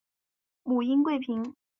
母殷贵嫔。